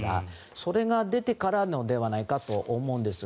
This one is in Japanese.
それが出てからではないかと思うんですが。